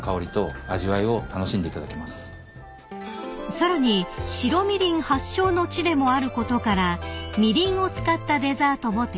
［さらに白みりん発祥の地でもあることからみりんを使ったデザートも提供］